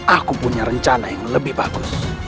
aku punya rencana yang lebih bagus